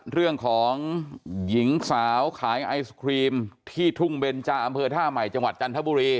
เรื่องของหญิงสาวขายไอศครีมที่ทุ่งเบนจาอำเภอท่าใหม่จังหวัดจันทบุรี